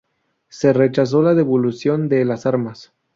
Se rechazó la devolución de las armas.